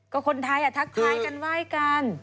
ก็คนไทยทักทายกันไหว้กัน